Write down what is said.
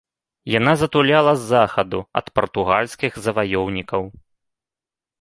Яна затуляла з захаду ад партугальскіх заваёўнікаў.